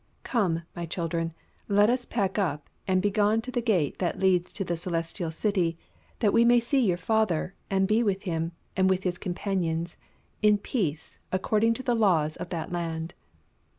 "Come, my children, let us pack up and begone to the gate that leads to the Celestial City, that we may see your father and be with him, and with his companions, in peace, according to the laws of that land."